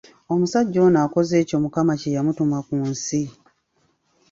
Omusajja ono akoze ekyo Mukama kye yamutuma ku nsi.